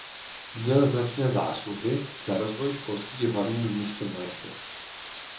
Měl značné zásluhy za rozvoj školství v hlavním městě monarchie.